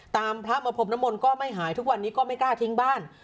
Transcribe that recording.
พระมาพรมนมลก็ไม่หายทุกวันนี้ก็ไม่กล้าทิ้งบ้าน